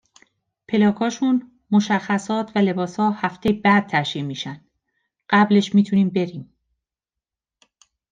پلاکاشون، مشخصات و لباسا هفتهی بعد تشیع میشن، قبلش میتونیم بریم